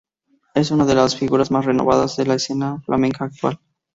Es una de las figuras más renovadoras de la escena flamenca actual.